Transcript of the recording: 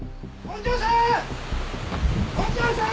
本庄さん！